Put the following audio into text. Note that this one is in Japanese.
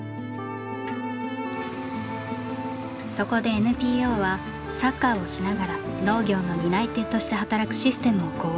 そこでＮＰＯはサッカーをしながら農業の担い手として働くシステムを考案。